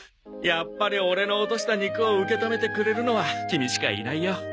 やっぱりオレの落とした肉を受け止めてくれるのはキミしかいないよ。